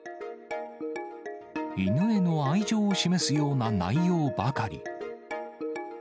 犬への愛情を示すような内容ばかり。